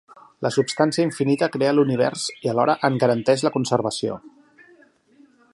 La substància infinita crea l'univers i alhora en garanteix la conservació.